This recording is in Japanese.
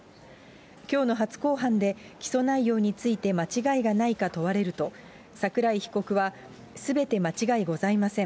きょうの初公判で、起訴内容について間違いがないか問われると、桜井被告は、すべて間違いございません。